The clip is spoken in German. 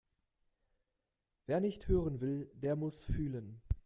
Wer nicht hören will, der muss fühlen.